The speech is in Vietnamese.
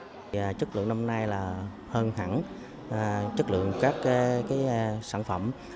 năm nay chất lượng năm nay là hơn hẳn chất lượng các sản phẩm